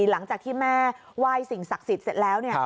หลังจากที่แม่ไหว้สิ่งศักดิ์สิทธิ์เสร็จแล้วเนี่ย